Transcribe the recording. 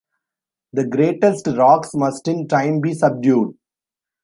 The greatest rocks must in time be subdued.